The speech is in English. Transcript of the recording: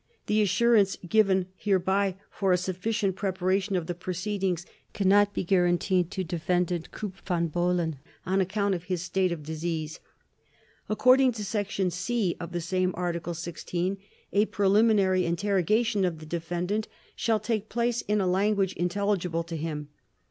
The assurance given hereby for a sufficient preparation of the proceedings can not be guaranteed to Defendant Krupp von Bohlen on account of his state of disease. According to Section (c) of the same Article 16 a preliminary interrogation of the defendant shall take place in a language intelligible to him.